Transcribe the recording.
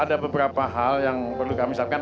ada beberapa hal yang perlu kami sampaikan